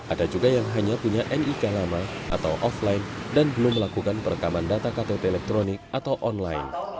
ada juga yang hanya punya nik lama atau offline dan belum melakukan perekaman data ktp elektronik atau online